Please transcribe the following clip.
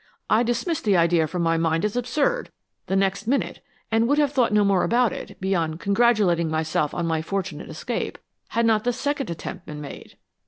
I dismissed the idea from my mind as absurd, the next minute, and would have thought no more about it, beyond congratulating myself on my fortunate escape, had not the second attempt been made."